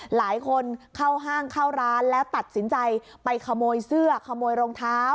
หลายคนเข้าห้างเข้าร้านแล้วตัดสินใจไปขโมยเสื้อขโมยรองเท้า